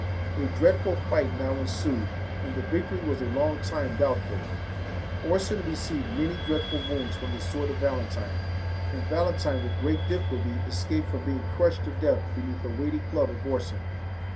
A dreadful fight now ensued, and the victory was a long time doubtful; Orson received many dreadful wounds from the sword of Valentine, and Valentine with great difficulty escaped from being crushed to death beneath the weighty club of Orson.